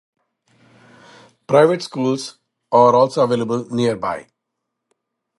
Private schools are also available nearby.